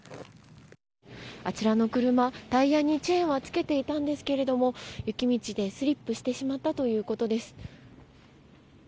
あちらの車、タイヤにチェーンはつけていたんですが雪道でスリップしてしまったということです。